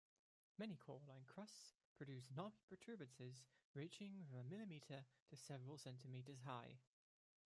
Many coralline crusts produce knobby protuberances ranging from a millimetre to several centimetres high.